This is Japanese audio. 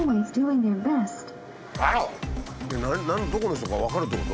どこの人か分かるってこと？